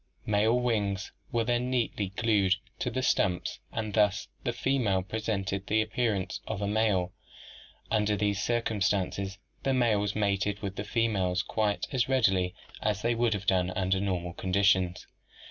Male wings were then neatly glued to the stumps and thus the female presented the appearance of a male. Under these cir cumstances the males mated with the females quite as readily as they would have done under normal conditions.